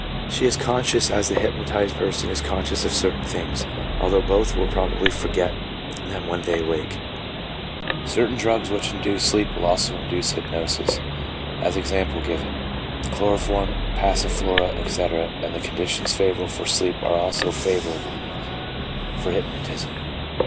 She is conscious as the hypnotized person is conscious of certain things, although both will probably forget them when they awake. Certain drugs which induce sleep will also induce hypnosis — as, e.g., chloroform, passa flora, etc.; and the conditions favourable for sleep are also favour* 22 333 PSYCHOLOGY OF ALCOHOLISM. able for hypnotism.